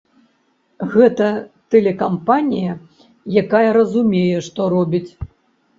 Гэта тэлекампанія, якая разумее, што робіць.